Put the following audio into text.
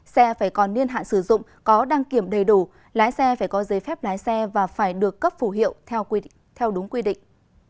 xe phải còn niên hạn sử dụng có đăng kiểm đầy đủ lái xe phải có giấy phép lái xe và phải được cấp phủ hiệu theo đúng quy định